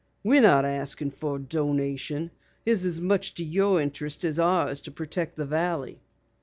We're not asking for a donation. It's as much to your interest as ours to protect the valley."